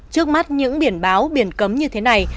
trước mắt những biển báo biển cấm như thế này